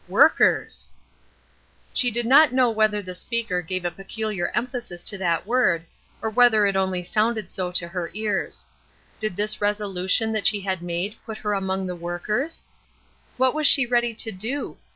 "Workers!" She did not know whether the speaker gave a peculiar emphasis to that word, or whether it only sounded so to her ears. Did this resolution that she had made put her among the workers? What was she ready to do?